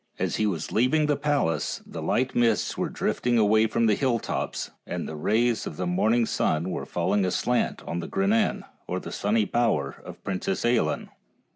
As he was leaving the palace the light niists were drifting away from the hill tops, and the rays of the morning sun were falling aslant on the grinan or sunny bower of the Princess Ailinn.